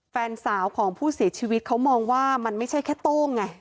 แฟนสาวของผู้เสียชีวิตเขามองว่ามันไม่ใช่แค่โต้งไง